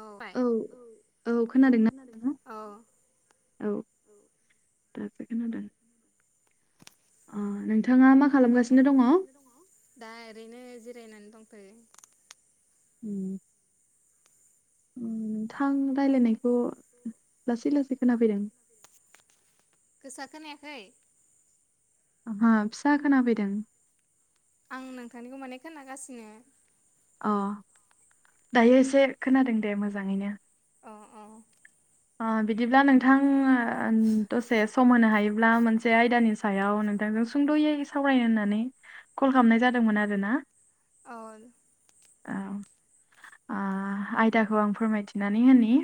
औ बाय औ औ खोनादोंना औ औ दासो खोनादों। अ नोंथाङा मा खालामगासिनो दङ? दा ओरैनो जिरायनानै दंथयो। उम उम नोंथां रायलायनायखौ लासै लासै खोनाफैदों। गोसा खोनायाखै? ओंहो फिसा खोनाफैदों। आं नोंथांनिखौ माने खोनागासिनो अ दायो एसे खोनादों दे मोजाङैनो। अ अ ओ बिदिब्ला नोंथां ओ दसे सम होनो हायोब्ला मोनसे आयदानि [unintelligible] सायाव नोंथांजों सुंद'यै सावरायनो होननानै कल खालामनाय जादोंमोन आरोना। औ औ ओ आयदाखौ आं फोरमायथिनानै होनि।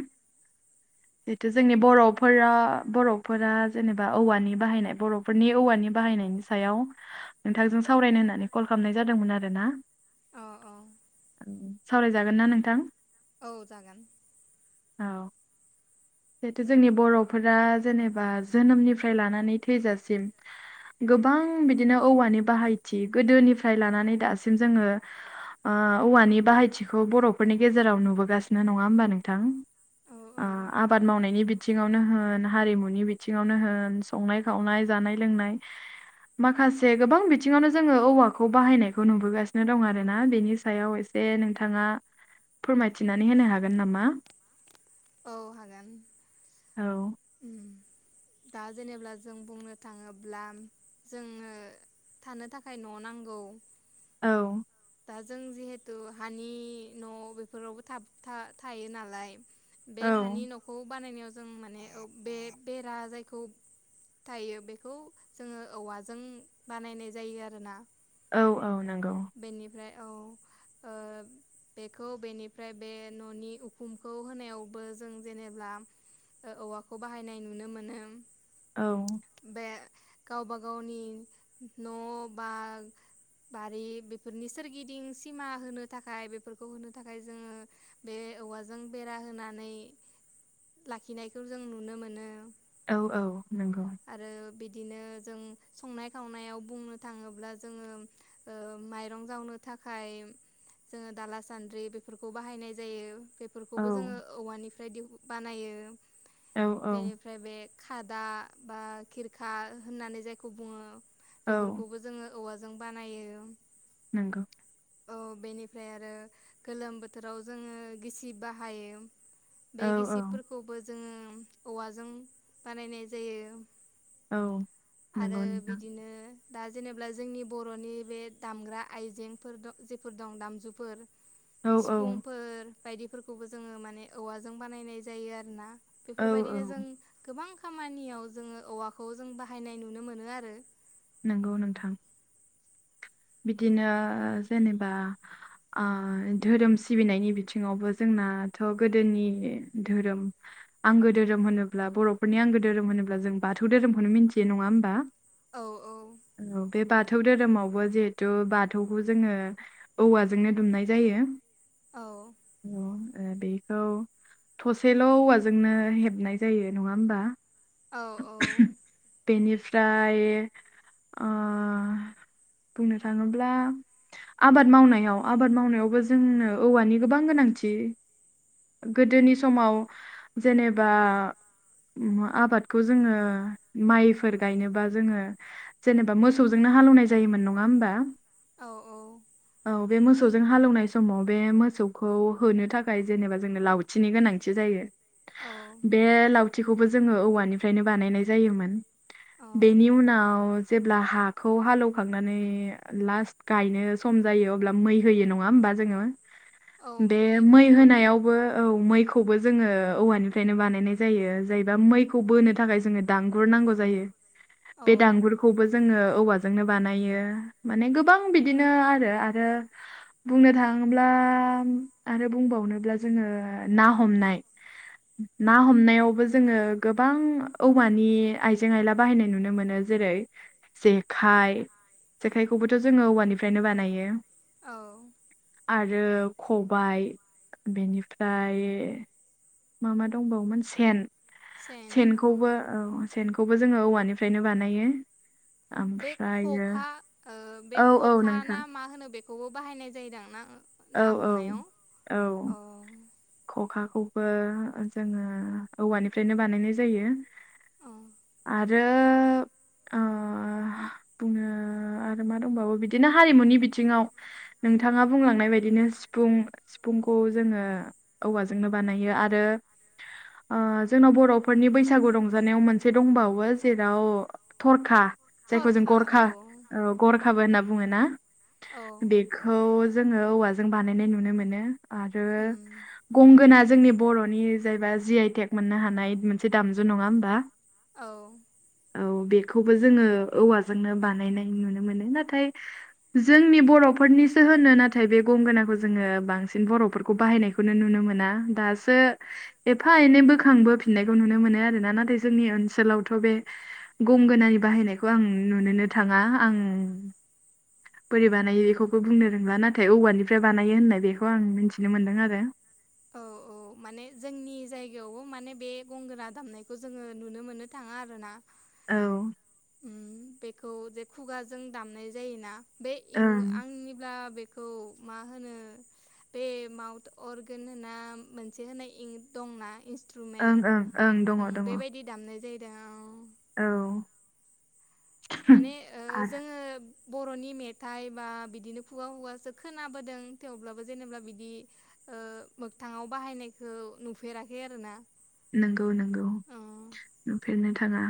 जिथु जोंनि बर'फोरा बर'फोरा जेनेबा औवानि बाहायनाय बर'फोरनि औवानि बाहायनायनि सायाव नोंथांजों सावरायनो होननानै कल खालामनाय जादोंमोन आरो ना। अ औ सावरायजागोन ना नोंथां? औ जागोन। औ जिहेथु जोंनि बर'फोरा जेनेबा जोनोमनिफ्राय लानानै थैजासिम गोबां बिदिनो औवानि बाहायथि गोदोनिफ्राय लानानै दासिम जोङो ओ औवानि बाहायथिखौ बर'फोरनि गेजेराव नुबोगासिनो नङा होमबा नोंथां? औ औ [unintelligible] आबाद मावनायनि बिथिङावनो होन हारिमुनि बिथिङावनो होन संनाय खावनाय जानाय लोंनाय माखासे गोबां बिथिङावनो जोङो औवाखौ बाहायनायखौ नुबोगासिनो दं आरो ना बेनि सायाव एसे जे नोंथाङा फोरमायथिनानै होनो हागोन नामा? औ हागोन औ। उम दा जेनेबृला जों बुंनो थाङोब्ला जोनो थानो थाखाय न' नांगौ। औ दा जों जिहेथु हानि न' बेफोरावबो थाब-था थायो नालाय औ बे हानि न'खौ बानायनायाव जों माने बे बेरा जायखौ थायो बेखौ जोङो औवाजों बानायनाय जायो आरोना। औ औ नोंगौ। बेनिफ्राय औ ओ बेखौ बेनिफ्राय बे न'नि उखुमखौ होनायावबो जों जेनेब्ला ओ औवाखौ बाहायनाय नुनो मोनो। औ बे गावबा गावनि न' बां बारि बेफोरनि सोरगिदिं सिमा होनो थाखाय बेफोरखौ होनो थाखाय जोङो बे औवाजों बेरा होनानै लाखिनायखौ जों नुनो मोनो। औ औ नंगौ। आरो बिदिनो जों संनाय खावनायाव बुंनो थाङोब्ला जोङो ओ माइरं जावनो थाखाय जोङो दाला सान्द्रि बेफोरखौ बाहायनाय जायो औ बेफोरखौबो जोङो औवानिफ्राय दि बानायो। औ औ बेनिफ्राय बे खादा बा खिरखा होननानै जायखौ बुङो। बेफोरखौबो जोङो औवाजों बानायो। नोंगौ औ बेनिफ्राय आरो गोलोम बोथोराव जोङो गिसि बाहायो। बे औ औ गिसिबफोरखौबो जोङो औवाजों बानायनाय जायो। औ आरो नंगौ नोंथां बिदिनो दा जेनेबा जोंनि बर'नि बे दामग्रा आइजेंफोर जेफोर दं जायफोर दामजुफोर औ औ सिफुंफोर बायदिफोरखौबो जोङो माने औवाजों बानायनाय जायो आरोना औ औ बेफोरबायदिनो जों गोबां खामानियाव जोङो औवाखौ जों बाहायनाय नुनो मोनो आरो नोंगौ नोंथां। बिदिनो जेनेबा ओ धोरोम सिबिनायनि बिथिङावबो जोंनाथ' गोदोनि धोरोम आंगो धोरोम होनोब्ला बर'फोरनि आंगो धोरोम होनोब्ला जों बाथौ धोरोमखौनो मिथियो नङा होमबा औ औ। औ बे बाथौ धोरोमावबो जे हिथु बाथौखौ जोङो औवाजोंनो दुमनाय जायो। औ ओ ओ बेखौ थसेल' औवाजोंनो हेबनाय जायो नङा होमबा औ औ बेनिफ्राय ओ बुंनो थाङोब्ला आबाद मावनायाव आबाद मावनायावबो जोंनो औवानि गोबां गोनांथि गोदोनि समाव जेनेबा आबादखौ जोङो माइफोर गायनोबा जोङो जेनेबा मोसौजोंनो हालेवनाय जायोमोन नङा होमबा औ औ औ बे मोसौजों हालौनाय समाव बे मोसौखौ होनो थाखाय जेनेबा जोंनो लावथिनि गोनांथि जायो। औ बे लाव थिखौबो जोङो औवानिफ्रायनो बानायनाय जायोमोन औ बेनि उनाव जेब्ला हाखौ हालेवखांनानै लास्ट गायनो सम जायो अब्ला मै होयो नङा होमबा जोङो औ बे मै मैखौबो होनायावबो औ मैखौबो जोङो औवानिफ्रायनो बानायनाय जायो जाहबा मैखौ बोनो थाखाय जोङो दांगुर नांगौ जायो। औ बे दांगुरखौबो जोङो औवाजोंनो बानायो माने गोबां बिदिनो आरो आरो बुंनो थाङोब्ला आरो बुंबावनोब्ला जोङो ना हमनाय ना हमनायावबो जोङो गोबां औवानि आइजें आयला बाहायनाय नुनो मोनो जेरै जेखाइ जेखाइखौबोथ' जोङो औवानिफ्रायनो बानायो। औ आरो खबाय बेनिफ्राय मा मा दंबावोमोन सेन सेन औ सेनखौबो औ सेनखौबो जोङो औवानिफ्रायनो बानायो बे ओमफ्रायो खखा बे औ ओ औ खख ना नोंथां मा होनो बेखौबो बाहायनाय जायोदां ना औ ना औ हमनायाव औ खखाखौबो जोङो औवानिफ्रायनो बानायनाय जायो औ आरो आरो ओ ओ आरो मा दंबावो बिदिनो हारिमुनि बिथिङाव नोंथाङा बुंलांनाय बायदिनो सिफुं सिफुंखौ जोङो औवाजोंनो बानायो आरो ओ जोंनाव बर'फोरनि बैसागु रंजानायाव मोनसे दंबावो जेराव थरखा जायखौ जों थरखा गरखा औ औ गरखाबो होनना बुङो ना औ बेखौ जोङो औवाजों बानायनाय नुनो मोनो आरो उम गंगोना जोंनि बर'नि जायबा जि आइ टेक मोननो हानाय मोनसे दामजु नङा होमबा औ औ बेखौबो जोङो औवाजोंनो बानायनाय नुनो मोनो नाथाय जोंनि बर'फोरनिसो होनो नाथाय बे गंगोनाखौ जोङो बांसिन बर'फोरखौ बाहायनायखौ नु नुनो मोना दासो एफा एनै बोखांबोफिननायखौ नुनो मोनो आरोना नाथाय जोंनि ओनसोलावथ' बे गंगोनानि बाहायनायखौ आं नुनोनो थाङा आं बोरै बानायो बेखौबो बुंनो रोंला नाथाय औवानिफ्राय बानायो होननाय बेखौ आं मिन्थिनो मोन्दों आरो औ [inaudible] औ माने जोंनि जायगायावबो माने बे गंगोना दामनायखौ जोङो नुनो मोननो थाङा आरो ना औ उम बेखौ जे खुगाजों दामनाय जायोना बे इं ओं आंनिब्ला बेखौ मा होनो बे माउथ अ ना मोनसे होनना इंक इनस ओं ओं ओं दङ दङ [inaudible] दामनाय जायो दा औ औ माने ओ आरो जोङो बर'नि मेथाइ बा बिदिनो खुगा खुगासो खोनाबोदों थेवब्लाबो जेनेबा बिदि ओ मोखथाङाव बाहायनायखौ नुफेराखै आरो ना नंगौ नंगौ नुफेरनो थाङा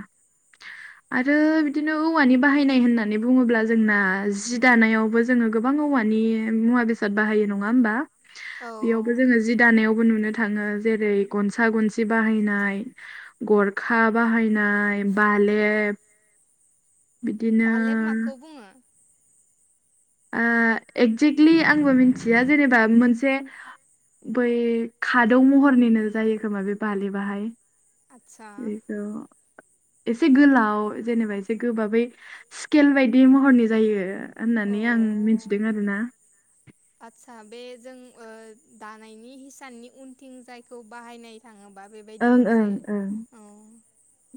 आरो बिदिनो औवानि बाहायनाय होननानै बुङोब्ला जोंना जि दानायावबो जोङो गोबां औवानि मुवा बेसाद बाहायो नङा होमबा औ औ बेयावबो जोङो जि दानायावबो नुनो थाङो जेरै गनसा गनसि बे बाहायनाय गरखा बाहायनाय बालेब बिदिनो बालेब माखौ बुङो ओ एक्जेक्टलि आंबो मिथिया जेनेबा मोनसे बै खादौ महरनिनो जायो खोमा बे बालेबाहाय आदसा बेखौ एसे गोलाव जेनेबा एसे गोबाबै स्केल बायदि महरनि जायो औ होननानै आं मिथिदों आरो ना आचसा बे जों दानायनि हिसाननि उनथिं जायखौ बाहायनाय थाङोबा बेबायदि ओं ओं मोनसे ओं औ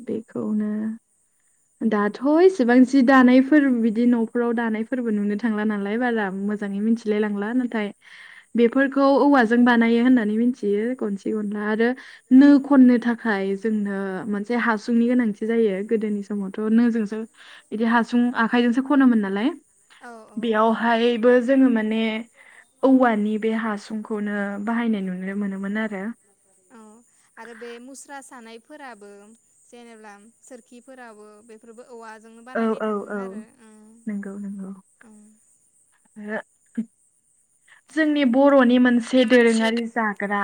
बेखौनो दाथ' इसेबां जि दानायफोर बिदि न' नखराव दानायफोरबो नुनो थांला नालाय बारा मोजाङै मिथिलाय लांला नाथाय बेफोरखौ औवाजों बानायो होननानै मिथियो गनसे गनला आरो नो खननो थाखाय जोंनो मोनसे हासुंनि गोनांथि जायो गोदोनि समावथ' नोंजोंसो बिदि हासुं आखाइजोंसो खनोमोन नालाय औ औ बेयावहायबो जोङो माने औवानि बे हासुंखौनो बाहायनाय नुनो मोनोमोन आरो औ आरो बे मुस्रा सानायफोराबो जेनेबा सोरखिफोराबो बे बेफोरबो औवाजोंनो औ बानायनाय औ औ थाङोमोन आरो ओं। नंगौ नंगौ ओम। जोंनि बर'नि मोनसे दोरोङारि जाग्रा।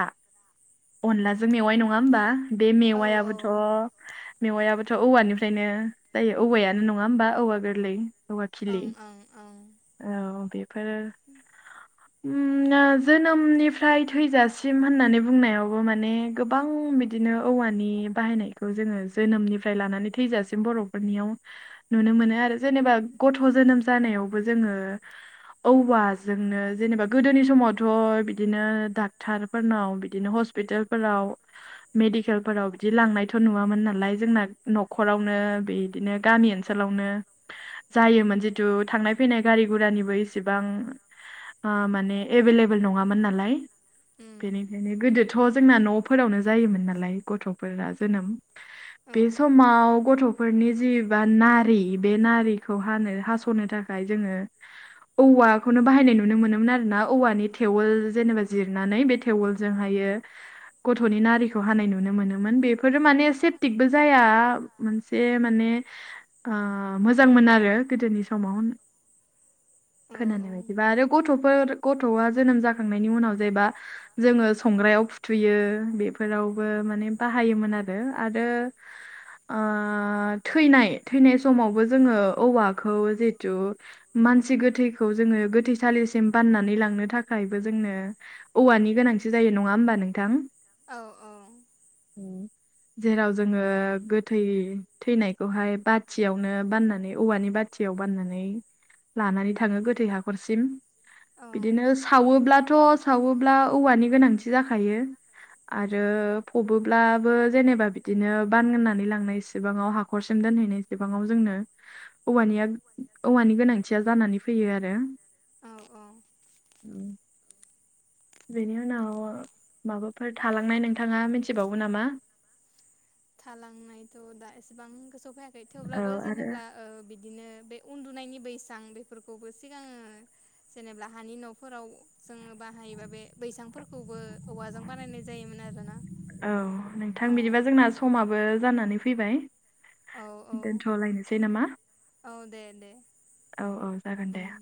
अनलाजों मेवाइ नङा होमबा? बे मेवायाबोथ' ओं ओं मेवायाबोथ' औवानिफ्रायनो जायो औवायानो नङा होमबा औवा गोरलै। औवा खिलि ओं ओं ओं औ बेफोर जोनोमनिफ्राय थैजासिम होननानै बुंनायावबो माने गोबां बिदिनो औवानि बाहायनायखौ जोङो जोनोमनिफ्राय लानानै थैजासिम बर'फोरनियाव नुनो मोनो आरो जेनेबा गथ' जोनोम जानायाव जोङो औवाजोंनो जेनेबा गोदोनि समाव थ' बिदिनो डाक्ट'रफोरनाव बिदिनो हस्पितालफोराव मेडिकेलफोराव बिदि लांनायथ' नुवामोन नालाय जोंना न'खरावनो बेदिनो गामि ओनसोल ओनसोलावनो जायोमोन जिथु थांनाय फैनाय गारि गुरानिबो इसेबां माने एभेलेबल नङामोन नालाय। उम बेनिखायनो गोदोथ' जोंना न'फोरावनो जायोमोन नालाय गथ'फोरा जोनोम। औ बे समाव गथ'फोरनि जि बा नारि बे नारिखौ हानो हास'नो थाखाय थाखाय जोङो औवाखौनो बाहायनाय नुनो मोनोमोन आरो ना औवानि थेवल जेनेबा जिरनानै बे थेवलजों हायो। गथ'नि नारिखौ हानाय नुनो मोनोमोन बेफोरो माने सेफटिकबो जाया मोनसे माने मोजांमोन आरो गोदोनि समाव। औ खोनानाय बायदिबा आरो गथ'फोर गथ'आ जोनोम जाखांनायनि उनाव जेबा जोङो संग्रायाव फुथुयो बेफोरावबो माने बाहायोमोन आरो, आरो थैनाय थैनाय समावबो जोङो औवाखौ जिहेथु मानसि गोथैखौ जोङो गोथैसालिसिम बाननानै लांनो थाखायबो जोंनो औवानि गोनांथि जायो नङा होमबा नोंथां? औ औ जेराव जोङो गोथै थैनायखौहाय बाथियावनो बाननानै औवानि बाथियाव बाननानै लानानै थाङो गोथै हाखरसिम। औ बिदिनो सावोब्लाथ' सावोब्ला औवानि गोनांथि जाखायो। आरो फबोब्लाबो जेनेबा बिदिनो बानगोनानै लांनाय सिबाङाव हाखरसिम दोनहैनाय सेबाङाव जोंनो औवानिया औवानि गोनांथिया जानानै फैयो आरो। ओम उम बेनि उनाव माबाफोर थालांनाय नोंथाङा मिथिबावो नामा? थालांनायथ' दा एसेबां गोसोआव फैयाखै औ थेवब्लाबो आरो जेनेब्ला बिदिनो बे उन्दुनायनि बैसां बेफोरखौबो सिगाङो जेनेबा हानि न'फोराव जोङो बाहायोबा बे बैसांफोरखौबो औवाजों बानायनाय जायो। जायोमोन आरो ना। औ नोंथां बिदिबा जोंना समाबो जानानै फैबाय। औ दोनथ'लायनोसै नामा। औ दे दे। औ औ जागोन दे। उम